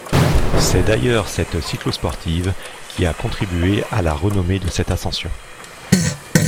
C'est d'ailleurs cette cyclosportive qui a contribué à la renommée de cette ascension.